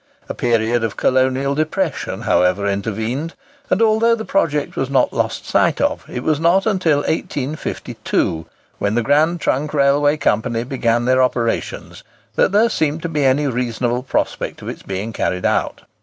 A period of colonial depression, however, intervened, and although the project was not lost sight of, it was not until 1852, when the Grand Trunk Railway Company began their operations, that there seemed to be any reasonable prospect of its being carried out.